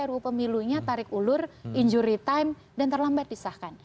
ruu pemilunya tarik ulur injury time dan terlambat disahkan